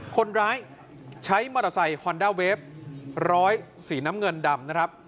คนร้ายใช้มอเตอร์ไซค์ฮอนด้าเวฟร้อยสีน้ำเงินดำนะครับ